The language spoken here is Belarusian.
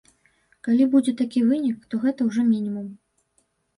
Калі будзе такі вынік, то гэта ўжо мінімум.